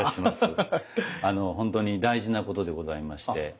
本当に大事なことでございまして。